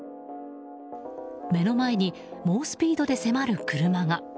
目の前に猛スピードで迫る車が。